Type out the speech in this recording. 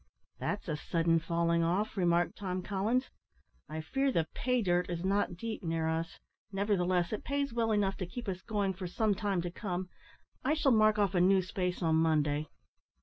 "That's a sudden falling off," remarked Tom Collins; "I fear the `pay dirt' is not deep near us, nevertheless it pays well enough to keep us going for some time to come. I shall mark off a new space on Monday."